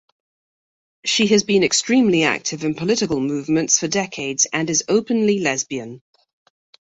She has been extremely active in political movements for decades and is openly lesbian.